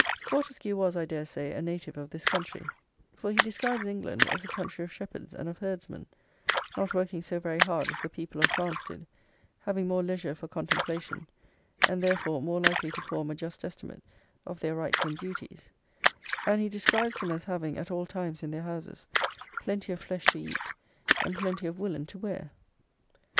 Fortescue was, I dare say, a native of this country; for he describes England as a country of shepherds and of herdsmen, not working so very hard as the people of France did, having more leisure for contemplation, and, therefore, more likely to form a just estimate of their rights and duties; and he describes them as having, at all times, in their houses, plenty of flesh to eat, and plenty of woollen to wear.